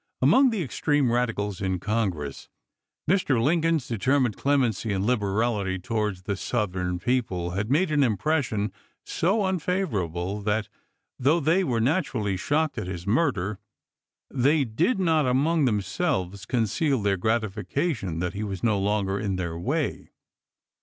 Among the extreme radicals in Congress Mr. Lincoln's determined clemency and liberality towards the Southern people had made an impression so unfa vorable that, though they were naturally shocked at his murder, they did not among themselves con 316 ABKAHAM LINCOLN chap. xvi. ceal their gratification that he was no longer in their way.